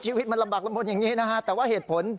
ชีวิตมันระบักละมุนอย่างนี้แต่ว่าเหตุผล